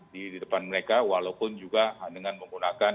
di depan mereka walaupun juga dengan menggunakan